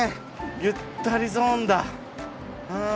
ゆったりゾーンだあぁ。